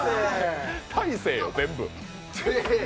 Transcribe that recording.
大晴よ、全部。